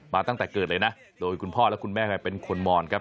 ตั้งแต่เกิดเลยนะโดยคุณพ่อและคุณแม่เป็นคนมอนครับ